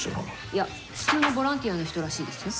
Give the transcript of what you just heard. いや普通のボランティアの人らしいですよ。